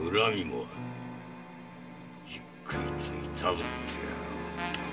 じっくりといたぶってやろう。